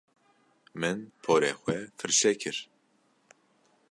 Min porê xwe firçe kir.